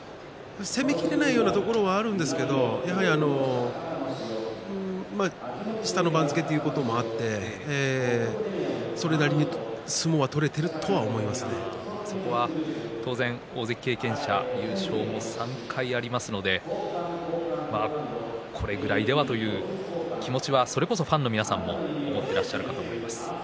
攻めきっていないようなところはあるんですけれどやはり下の番付ということもあってそれなりに相撲をそこは当然、大関経験者優勝も３回ありますのでこれぐらいではという気持ちはそれこそファンの皆さんも持っていると思います。